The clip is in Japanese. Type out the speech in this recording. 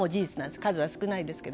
数は少ないですけど。